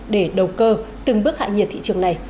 để đầu cơ từng bước hạ nhiệt thị trường này